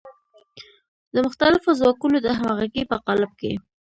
د مختلفو ځواکونو د همغږۍ په قالب کې.